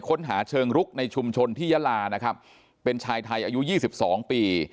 ค้นหาเชิงรุกในชุมชนที่ยาลานะครับเป็นชายไทยอายุ๒๒ปี